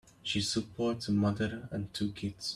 She supports a mother and two kids.